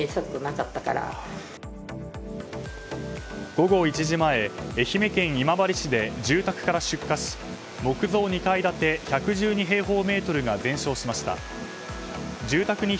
午後１時前愛媛県今治市で住宅から出火し木造２階建て１１２平方メートルが全焼しました。